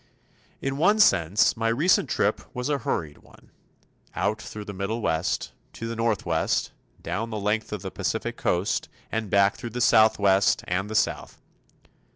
In one sense my recent trip was a hurried one, out through the Middle West, to the Northwest, down the length of the Pacific Coast and back through the Southwest and the South.